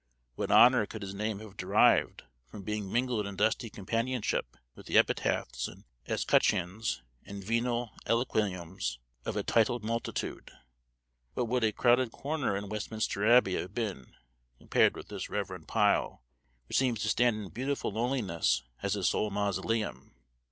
What honor could his name have derived from being mingled in dusty companionship with the epitaphs and escutcheons and venal eulogiums of a titled multitude? What would a crowded corner in Westminster Abbey have been, compared with this reverend pile, which seems to stand in beautiful loneliness as his sole mausoleum!